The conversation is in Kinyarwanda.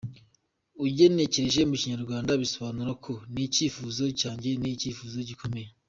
Ugenekereje mu Kinyarwanda, bisobanuye ko ’Ni icyifuzo cyanjye, ni icyifuzo gikomeye.